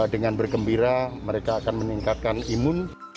dengan bergembira mereka akan meningkatkan imun